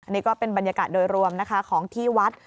อันนี้ก็เป็นบรรยากาศโดยรวมของที่วัด